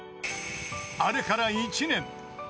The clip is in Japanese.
［あれから１年］